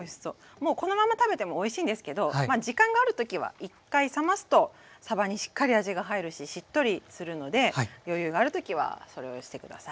もうこのまま食べてもおいしいんですけど時間がある時は一回冷ますとさばにしっかり味が入るししっとりするので余裕がある時はそれをして下さい。